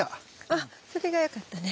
あっそれが良かったね。